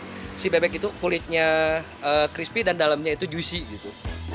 karena sayang si bebek itu kulitnya crispy dan dalamnya itu juicy gitu